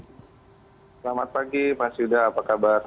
selamat pagi mas yuda apa kabar